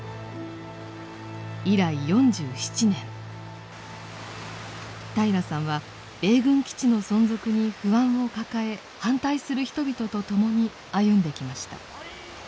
以来４７年平良さんは米軍基地の存続に不安を抱え反対する人々と共に歩んできました。